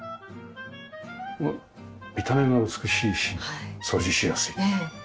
見た目も美しいし掃除しやすい。